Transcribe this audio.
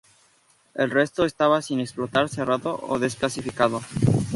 El resto estaba sin explotar, cerrado o desclasificado.